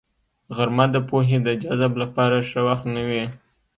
غرمه د پوهې د جذب لپاره ښه وخت نه وي